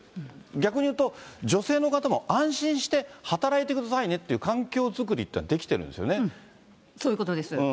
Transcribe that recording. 逆に言うと、女性の方も安心して働いてくださいねっていう環境作りってできてそういうことです。